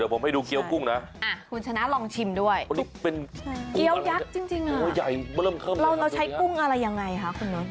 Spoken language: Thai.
ผมให้ดูเกี้ยวกุ้งนะคุณชนะลองชิมด้วยเป็นเกี้ยวยักษ์จริงเราใช้กุ้งอะไรยังไงคะคุณนก